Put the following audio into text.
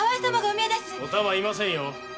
お玉はいませんよ